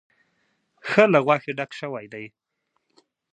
ښه له غوښې ډک شوی دی.